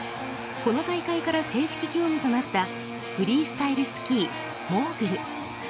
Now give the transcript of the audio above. この大会から正式競技となったフリースタイルスキーモーグル。